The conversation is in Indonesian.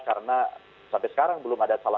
karena sampai sekarang belum ada talon